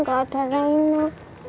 gak ada reina